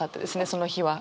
その日は。